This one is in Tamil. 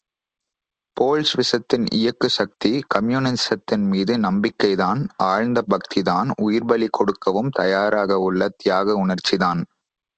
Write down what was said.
போல்ஷ் விஸத்தின் இயக்கு சக்தி, கம்யூனிஸத்தின்மீது நம்பிக்கைதான், ஆழ்ந்த பக்திதான், உயிர்ப்பலி கொடுக்கவும் தயாராகவுள்ள தியாக உணர்ச்சி தான்.